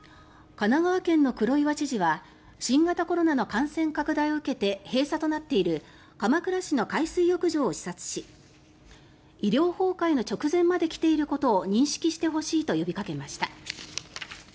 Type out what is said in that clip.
神奈川県の黒岩知事は新型コロナの感染拡大を受けて閉鎖となっている鎌倉市の海水浴場を視察し医療崩壊の直前まで来ていることを認識してほしいと呼びかけました。